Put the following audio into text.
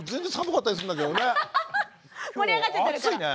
盛り上がっちゃってるから。